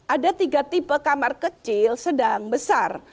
ada tiga tipe kamar kecil sedang besar